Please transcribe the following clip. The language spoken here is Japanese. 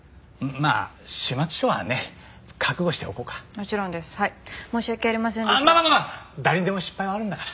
まあまあまあまあ誰にでも失敗はあるんだから。